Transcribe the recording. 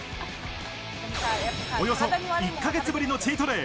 およそ１ヶ月ぶりのチートデイ。